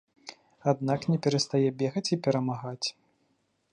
Аднак не перастае бегаць і перамагаць.